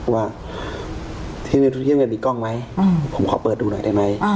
ว่าที่มันมีกล้องไหมผมขอเปิดดูหน่อยได้ไหม